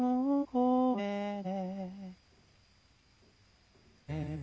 うん！